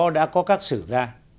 đã có các xử ra